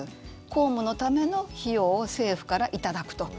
公務のための費用を政府から頂くと。